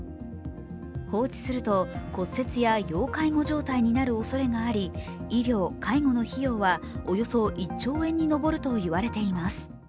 放置すると、骨折や要介護状態になるおそれがあり、医療・介護の費用はおよそ１兆円に上ると言われています。